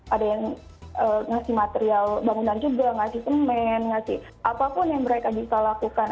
ada yang ngasih material bangunan juga ngasih semen ngasih apapun yang mereka bisa lakukan